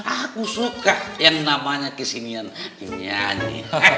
aku suka yang namanya kesinian nyanyi